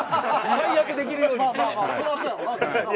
「最悪できるように」。